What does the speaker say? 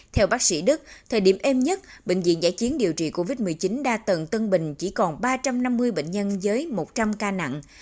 theo bác sĩ đức thời điểm êm nhất bệnh viện giải chiến điều trị covid một mươi chín đa tầng tân bình chỉ còn ba trăm năm mươi bệnh nhân với một trăm linh ca nặng